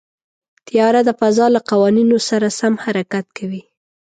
طیاره د فضا له قوانینو سره سم حرکت کوي.